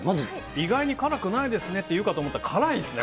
意外に辛くないですねって言うかと思ったら、辛いですね。